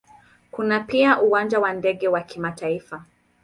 Kuna pia Uwanja wa ndege wa kimataifa.